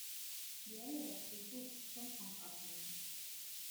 Die Länge der Prüfungen ist vom Fach abhängig.